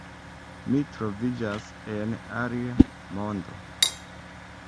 Mi troviĝas en alia mondo.